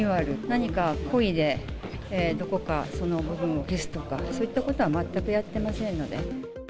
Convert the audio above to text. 何か、故意でどこかその部分を消すとか、そういったことは全くやってませんので。